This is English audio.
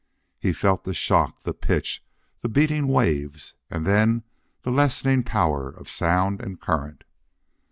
He felt the shock, the pitch, the beating waves, and then the lessening power of sound and current.